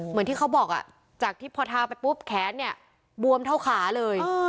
เหมือนที่เขาบอกจากที่พอทาไปปุ๊บแขนเนี่ยบวมเท่าขาเลย